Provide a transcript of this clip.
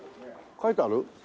書いてある？